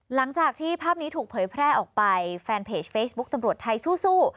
หลังจากที่ภาพนี้ถูกเผยแพร่ออกไปแฟนเพจเฟซบุ๊กตำรวจไทยสู้